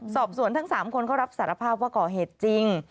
สอบสวนทั้ง๓คนเขารับสารภาพว่าก่อเหตุจริง